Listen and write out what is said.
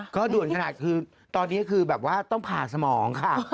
ก็ด่วนขนาดคือตอนนี้คือแบบว่าต้องผ่าสมองค่ะ